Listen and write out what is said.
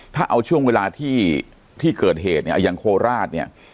ถ้าเอาช่วงเวลาที่ที่เกิดเหตุเนี่ยอย่างโคราชเนี่ย